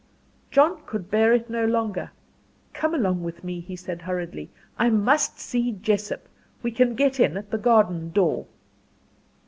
John could bear it no longer. "Come along with me," he said, hurriedly. "I must see Jessop we can get in at the garden door."